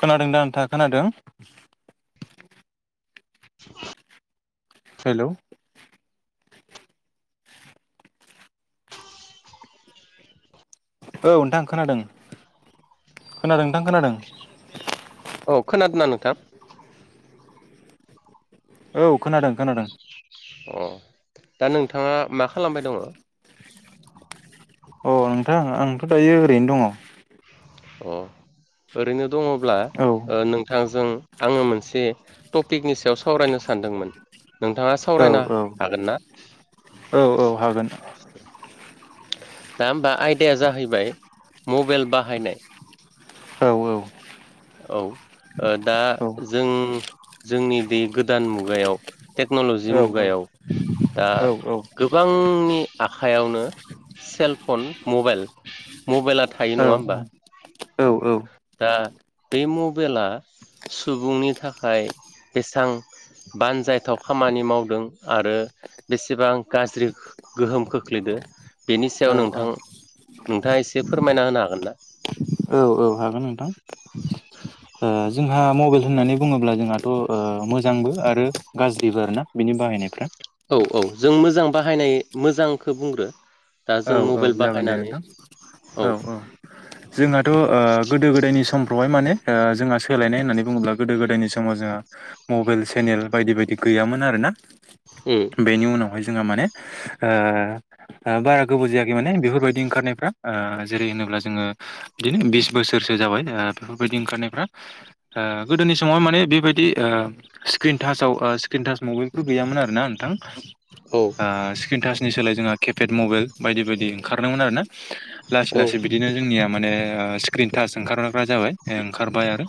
खोनादों दा नोंथा खोनादों? [inaudible] हेलौ औ नोंथां खोनादों खोनादों नोंथां खोनादों। औ खोनादोंना नोंथां। औ खोनादों खोनादों। अ दा नोंथाङा मा खालामबाय दङ। अ नोंथां आंथ' दायो ओरैनो दङ। अ ओरैनो दङब्ला ओ नों थांजों आङो मोनसे टपिकनि सायाव सावरायनो सानदोंमोन। नोंथाङा औ सावरायनो औ हागोन ना? औ हागोन। दा होमबा आयदाया जाहैबाय मबाइल बाहायनाय औ औ ओ दा औ जों जोंनि बे गोदान मुगायाव टेक्न'लजि औ मुगायाव दा औ गोबांनि आखाइयावनो सेलफन मबाइल मबाइला थायो नङा होमबा औ दा बे मबाइला सुबुंनि थाखाय बेसां बानजायथाव खामानि मावदों आरो बेसेबां गाज्रि गोहोम खोख्लैदो बेनि सायाव औ नोंथां नोंथाङा एसे फोरमायना होनो हागोन ना? औ औ हागोन ओं [inaudible] ओ जोंहा मबाइल होननानै बुङोब्ला जोंहाथ' ओ मोजांबो आरो गाज्रिबो आरोना बिनि बाहायनायफ्रा औ औ जों मोजां बाहायनाय मोजांखौ बुंग्रो। दा औ जों औ मबाइल जागोन दे बाहायनानै नोंथां औ औ जोंहाथ' ओ गोदो गोदायनि समफ्रावहाय माने ओ जोंहा सोलायनाय होननानै बुङोब्ला गोदो गोदायनि समाव जोंहा मबाइल से नेल बायदि बायदि गैयामोन आरो ना। उम बेनि उनावहाय जोंहा माने ओ ओ बारा गोबाव जायाखै माने बेफोरबायदि ओंखारनायफ्रा ओ जेरै- होनोब्ला जोङो बिदिनो बिस बोसोरसो जाबाय ओ बेफोरबायदि ओंखारनायफ्रा ओ गोदोनि समाव माने बेबायदि ओ स्क्रिन टाचाव ओ सि क्रिनटास मबाइलफोर गैयोन आरो ना नोंथां औ ओ स्क्रिन टाचनि सोलाय जोंहा केपेड मबाइल बायदि बायदि ओंखारदोंमोन आरो ना। लासै औ लासै बिदिनो जोंनिया माने ओ स्क्रिन टास ओंखार बा जाबाय ओंखारबाय आरो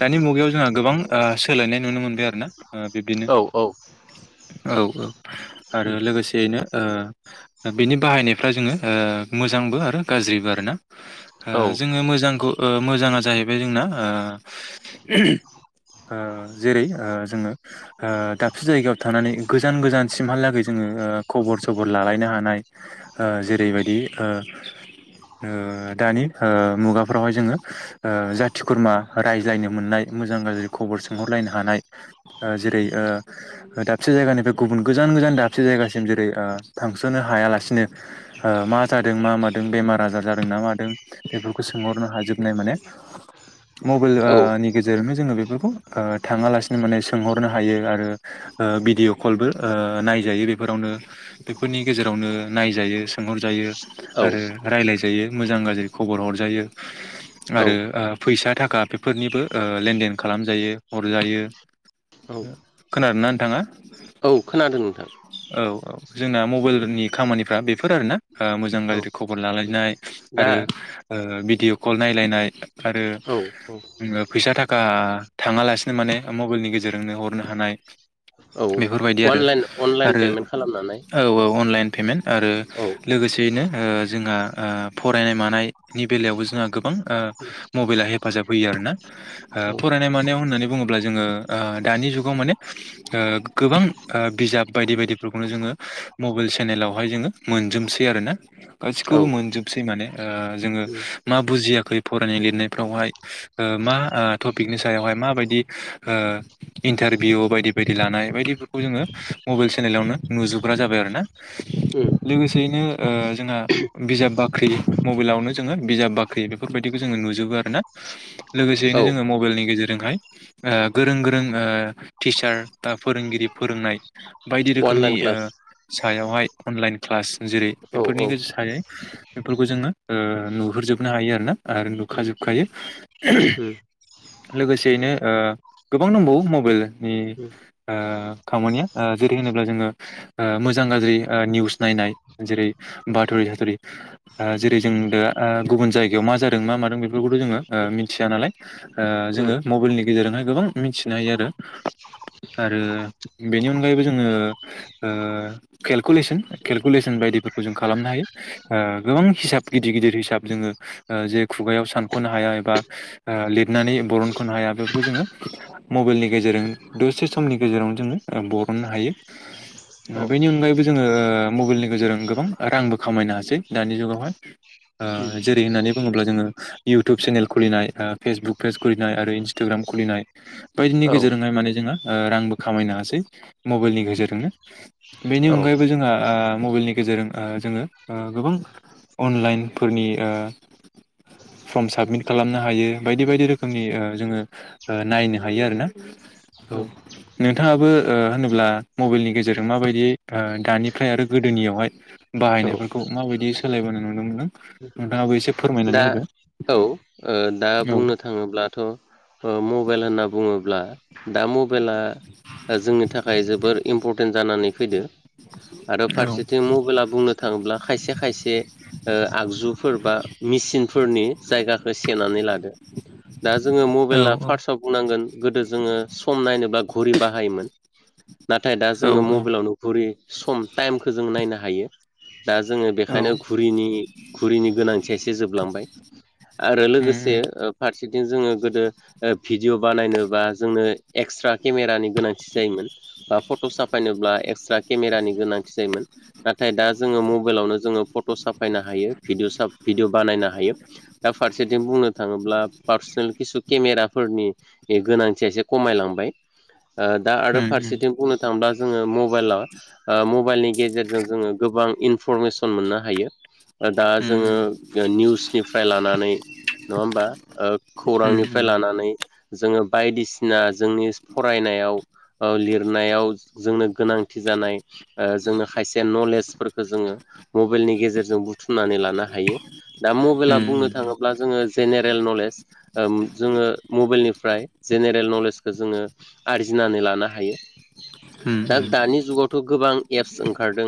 दानि मुगायाव जोंहा गोबां ओ सो सोलायनाय नुनो मोनबाय आरोना ओ बिब्दिनो औ औ औ आरो लोगोसेयैनो ओ बेनि बाहायनायफ्रा जोङो ओ मोजांबो आरो गाज्रिबो आरो ना। ओ औ जोङो मोजांखौ ओ मोजाङा जाहैबाय जोंना ओ [unintelligible] ओ जेरै ओ जोङो ओ दाबसे जायगायाव थानानै गोजान गोजानसिमहालागै जोङो ओ खबर सबर लालायनो हानाय ओ जेरैबायदि ओ ओ दानि ओ मुगाफ्रावहाय जोङो ओ जाथि खुरमा रायज्लायनो मोननाय मोजां गाज्रि खबर सोंहरलायनो हानाय ओ जेरै ओ दाबसे जायगानिफ्राय गुबुन गोजान मोजां दाबसे जायगासिम जेरै ओ थांस'नो हायालासिनो ओ मा जादों मा मादों बेमार आजार जादों ना मादों बेफोरखौ सो सोंहरनो हाजोबनाय माने मबाइल ओ नि गेजेरजोंनो जोङो बेफोरखौ ओ थाङालासिनो माने सोंहरनो हायो आरो ओ भिडिअ कलबो नायजायो बेफोरावनो। बेफोरनि गेजेरावनो नायजायो सोंहरजायो औ आरो रायलायजायो मोजां गाज्रि खबर हरजाय यो औ आरो ओ फैसा थाखा बेफोरनिबो ओ लेनदेन खालामजायो हरजायो। [inaudible] खोनादोंना नोंथाङा? औ खोनादों नोंथां। औ औ जोंना मबाइलनि खामानिफ्रा बेफोर आरो ना मोजां औ गाज्रि खबर लालायनाय। दा आरो औ भिडिअ कल नायलायनाय। आरो औ ङो फैसा थाखा थाङालासिनो माने ओम मबाइलनि गेजेरजोंनो हरनो हानाय। औ बेफोरबायदि आरो अनलाइन अनलाइन आरो पेमेन्ट खालामनानै औ औ अनलाइन पेमेन्ट आरो औ लोगोसेयैनो ओ जों ओ ओ फरायनाय मानायनि बेलायावबो जोंहा गोबां ओ मबाइला हेफाजाब होयो आरोना। ओ फरायनाय मानायाव होननानै बुङो अब्ला जोङो ओ दानि जुगाव माने ओ गोबां ओ बिजाब बायदि बायदिफोरखौनो जोङो मबाइल सेनेलावहाय जोङो मोनजोबसै आरो ना औ गासिखौबो मोनजोबसै माने। ओ जोङो उम मा बुजियाखै फरायनाय लिरनायफ्रावहाय ओ मा ओ टपिकनि सायावहाय मायदि ओ इनटारभिउ बायदि बायदि लानाय बायदिफोर खौ जोंङो मबेल सेनेलावनो नुजोबग्रा जाबाय आरोना। उम लोगोसेयैनो ओ जोंहा बिजाब बाख्रि मबाइलावनो जोङो बिजाब बाख्रि बेफोरबायदिखौ जोङो जों नुजोबो आरोना औ लोगोसेयैनो जोङो मबाइलनि गेजेरजोंहाय ओ गोरों गोरों ओ टिचार दा फोरोंगिरि फोरोंनाय बायदि रोखोमनि अनलाइन क्लास ओ सायावहाय अनलाइन क्लास जेरै औ बेफोरनि औ उम गेजेर सायै बेफोरखौ जोङो ओ नुहुरजोबनो हायो आरोना आरो उम नुखाजोबखायो। लोगोसेयैनो ओ गोबां दंबावो मबाइलनि उम ओ खामानिया ओ जेरै होनोब्ला जोङो ओ मोजां गाज्रि ओ निउस नायनाय जेरै बाथरि साथ'रि ओ जेरै जों दा ओ गुबुन जायगायाव मा जादों मा मादों बेफोरखौथ' जोङो ओ औ मिथिया नालाय औ जोङो मबाइलनि गेजेरजों गोबां मिथिनो हायो आरो आरो बेनि अनगायैबो जोङो [inaudible] केेलकुलेसन केलकुलेसन बायदिफोरखौ जों खालामनो हायो गोबां हिसाब गिदिर गिदिर हिसाब जोङो जे खुगायाव सानख'नो हाया एबा लिरनानै बरनख'नो हाया बेफोरखौ जोङो मबाइलनि गेजेरजों दसे समनि गेजेराव जोङो बरननो हायो उम बेनि अनगायैबो जोङो मबाइलनि गेजेरजों गोबां रांबो खामायनो हासै दानि जुगावहाय जेरै होन्नानै बुङोब्ला जोङो इउटुब चेनेल खुलिनाय फेसबुक पेज खुलिनाय आरो इन्सटाग्राम खुलिनाय बायदिनि गेजेरजोंहाय माने जोंहा रांबो खामायनो हासै मबाइलनि गेजेरजोंनो ए [inaudible] [unintelligible] बेनि अनगायैबो जोंहा मबाइलनि गेजेरजों जोङो गोबां अनलाइनफोरनि ओ फर्म साबमिट खालामनो हायो बायदि बायदि रोखोमनि जोङो नायनो हायो आरोना औ नोंथाङाबो होनोब्ला मबाइलनि गेजेराव जेरै माबायदि दानिफ्राय आरो गोदोनियावहाय औ बाहायनायफोरखौ माबायदि सोलायबोनो नुनो मोनो नोंथाङाबो एसे दा फोरमायनानै होदो औ ओ दा औ बुंनो थाङोब्लाथ' ओ मबाइल होनना बुङोब्ला दा मबाइला जोंनि थाखाय जोबोर इम्परटेन्ट जानानै फैदो। आरो औ फारसेथिं मबाइला बुंनो थाङोब्ला खायसे खायसे ओ आगजुफोरबा मेसिनफोरनि जायगाखौ सेेनानै लादो। दा जोङो औ मबेला फार्स्टआव बुंनांगोन गोदो जोङो सम नायनोब्ला घुरि बाहायोमोन नाथाय दा जोङो औ मबाइलावनो घुरि सम टाइमखौ जों नायनो हायो। दा जोङो औ बेखायनो घुरिनि घुरिनि गोनांथिया एसे जोबलांबाय। बेजों लोगोसे उम ओ फारसेथि जोंङो गोदो ओ भिडिअ बानायनोबा जोंनो एकस्रा केमेरानि गोनांथि जायोमोन। बा फट' साफायनोब्ला एकस्रा केमेरानि गोनां थि जायोमोन नाथाय दा जोङो मबाइलावनो जोङो फट' साफायनो हायो भिडिय' साफाय भिडिअ बानायनो हायो। [inaudible] दा फारसेथिं बुंनो थाङोब्ला पार्सनेल खिसु केमेराफोरनि गोनांथिया एसे खमायलांबाय। बाय दा उम रो फारसेथिं बुंनो थाङोब्ला जोङो मबाइलाव ओ मबाइलनि गेजेरजों जोङो गोबां इनफरमेसन मोननो हायो। दा उम जोङो निउसनिफ्राय लानानै नङा होमबा ओ उम खौरांनिफ्राय लानानै जोङो बायदिसिना जोंनि फरायनायाव ओ लिरनायाव जोंनो गोनांथि जानाय ओ जोंनो खायसे नलेजफोरखौ जोङो मबाइलनि गेजेरजों बुथुमनानै लानो हायो दा उम मबाइला बुंनो थाङोब्ला जोङो जेनेरेल नलेज जोङो मबाइलनिफ्राय जेनेरेल नलेजखौ जों [unintelligible] आरजिनानै लानो हायो। उम दा दानि जुगावथ' गोबां एप्स ओंखारदों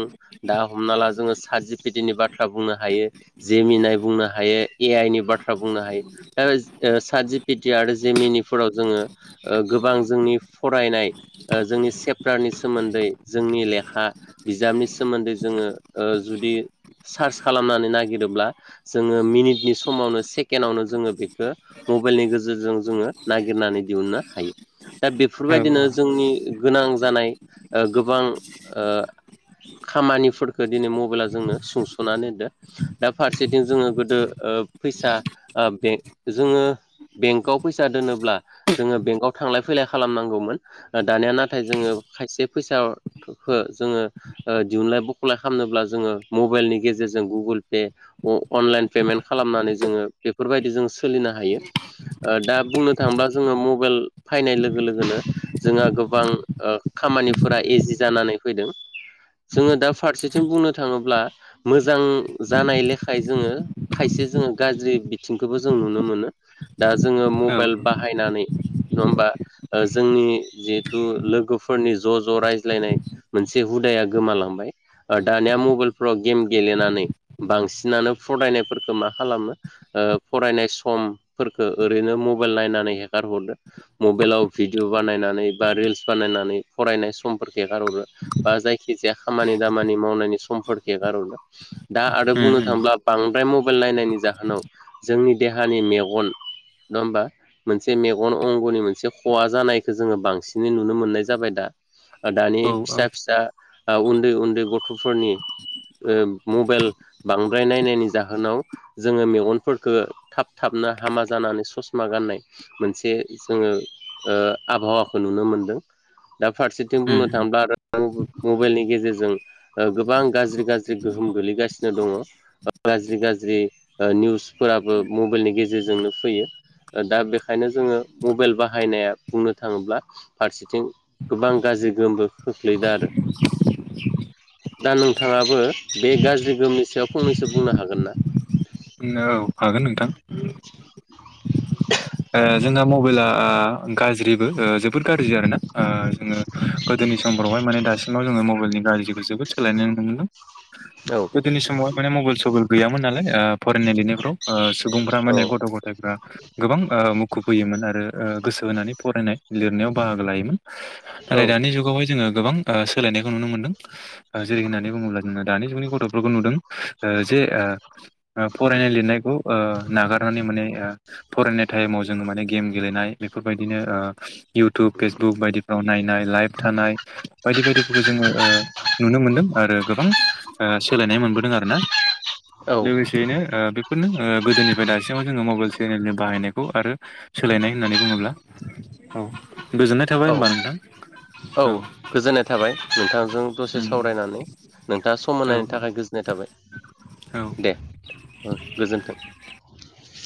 दा हमना ला जोङो सात जिपिटिनि बाथ्रा बाथ्रा बुंनो हायो जेमिनाय बुंनो हायो। ए-आइ नि बाथ्रा बुंनो हायो दा सात जिपिटिन आरो जेमिनिफोराव जोङो ओ गोबां गोबां जोंनि फरायनाय ओ जोंनि सेप्टारनि सोमोन्दै जोंनि लेखा बिजाबनि नि सोमोन्दै जोङो ओ जुदि सार्च खालामनानै नागिरोब्ला जोङो मिनिटनि समावनो सेकेणडआवनो जोङो बेखौ मबाइलनि गेजेरजों जोङो नागिरनानै दिहुननो हायो। दा औ बेफोरबायदिनो जोंनि गोनां जानाय ओ गोबां ओ खामानिफोरखौ दिनै मबाइला जोंनो सुंस'नानै होदों दा फारसेथिं जोङो गोदो ओ फैसा ओ बे जोङो बेंकआव फैसा दोनोब्ला जोङो बेंकआव थांलाय फैलाय खालामनांगौमोन दानिया नाथाय जोङो खायसे फैसाखौ जोङो ओ दिहुनलाय बख'लाय खालामनोब्ला जोङो मबाइलनि गेजेर जों गुगोल पे अनलाइन पेमेन्ट खालामनानै जोङो बेफोरबायदि जों सोलिनो हायो। ओ दा बुंनो थाङोब्ला जोङो मबाइल फैनाय लोगो लोगोनो जोंहा गोबां ओ खामानिफोरा इजि जानानै फैदों। जोङो दा फारसेथिं बुंनो थाङोब्ला मोजां जानाय लेखाय जोङो खायसे जोङो गाज्रि बिथिंखौबो जों नुनो मोनो दा जोङो औ मबाइल उम बाहायनानै नङा होमबा ओ जोंनि जिहेथु लोगोफोरनि ज ज रायज्लायनाय। मोनसे हुदाया गोमालांबाय। दानिया मबाइलफ्राव गेम गेलेनानै बांसिनानो फरायनाय फोरखो मा खालामो ओ फरायनाय समफोरखो ओरैनो मबाइल नायनानै हेगारहरो। मबाइलाव भिडिय बानायनानै बा रिल्स बानायनानै फरायनाय समफोरखो एगार हरो बा जायखिजाया खामानि दामानि मावनायनि समफोर [unintelligible] दा आरो बुंनो उम थाङोब्ला बांद्राय म बाइल नायनायनि जाहोनाव जोंनि देहानि मेगन नङा होमबा मोनसे मेगन अंगनि मोनसे खहा जानायखौ जोङो बांसिनै नुनो मोननाय जाबाय दा। दानि औ औ फिसा फिसा उन्दै उन्दै गथफोरनि ओ मबाइल बांद्राय नायनायनि जाहोनाव जोङो मेगनफोरखो थाब थाबनो हामा जानानै ससमा गाननाय मोनसे जोङो [unintelligible] ओ आबहावाखौ नुनो मोनदों। दा फारसेथिं बुंनो उम थांबा आरो मबाइलनि गेजेरजों गोबां गाज्रि गाज्रि गोहो- म गोग्लैगासिनो दङ गाज्रि गाज्रि जि निउसफोराबो मबाइलनि गेजेरजोंनो फैयो दा बेखायनो जोङो मबाइल बाहायनाया बुंनो थाङोब्ला फारसेथिं गोबां गाज्रि गोहोमबो खोख्लैदों आरो दा नोंथाङाबो बे गाज्रि गोमनि सायाव फंनैसो बुंनो हागोन ना औ हागोन नोंथां [unintelligible] [unintelligible] ओ जोंना मबाइला गाज्रिबो जोबोद गाज्रि आरोना जोङो गोदो नि समफोरावहाय माने दासिमाव जोङो मबाइलनि गाज्रिखौ जोबोद सोलायनाय नुनो मोनदों गोदोनि समावहाय माने मबाइल सबेल गैयामोन नालाय ओ फरायनाय लिरनायफ्राव सुबुंफ्रा माने गथ गथायाइफ्रा गोबां मुखुब होयोमोन आरो गोसो होनानै फरायनाय लिरनायाव बाहागो लायोमोन औ नाथाय दानि जुगावहाय जोङो गोबां ओ सोलायनायखौ नुनो मोनदों जेरै होननानै बुङोब्ला जों दानि जुगनि गथफोरखौ नुदों ओ जे ओ फरायनाय लिरनायखौ ओ नागारनानै माने ओ फरायनाय टाइमाव जोङो माने गेम गेलेनाय बेफोरबायदिनो ओ इउटुब फेसबुक बायदिफ्राव नायनाय लाइभ थानाय बायदि बायदिफोरखौ जोङो ओ नुनो मोनदों आरो गोबां ओ सोलायनाय मोनबोदों आरो ना औ लोगोसेयैनो ओ बेफोरनो ओ गोदोनिफ्राय दासिमाव जोङो मबाइल चेनेलनि बाहायनायखौ खौ आरो सोलायनाय होननानै बुङोब्ला औ गोजोननाय थाबाय औ होमबा नोंथां औ गोजोननाय थाबाय नोंथांजों दसे उम सावरायनानै नोंथाङा सम औ होनायनि थाखाय गोजोननाय औ औ थाबाय दे ओं गोजोन्थों